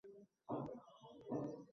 খোলা আঁখি দুটো অন্ধ করে দে আকুল আঁখির নীরে।